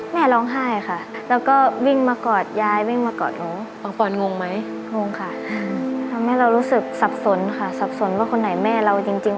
ไม่ทันได้เก็บเลยค่ะสลายหมดเลย